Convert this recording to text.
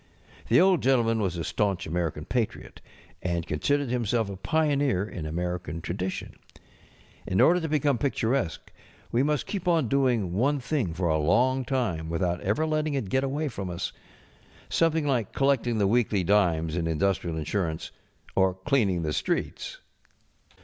The Old Gentleman was a staunch American patriot, and considered himself a pioneer in American tradition. In order to beernne picturesque we must keep on doing one thing for a long time without ever letting it get away from us. Something like collecting the weekly dimes in indus┬¼ trial insurance. Or cleaning the streets.